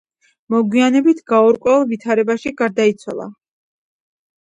მოგვიანებით გაურკვეველ ვითარებაში გარდაიცვალა.